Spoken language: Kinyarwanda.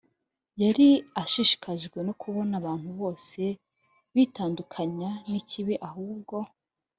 yari ashishikajwe no kubona abantu bose bitandukanya n ikibi ahubwo